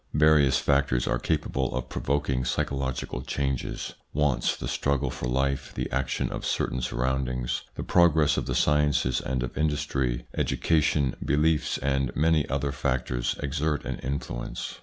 Various factors are capable of provoking psycho logical changes. Wants, the struggle for life, the action of certain surroundings, the progress of the sciences and of industry, education, beliefs, and many other factors exert an influence.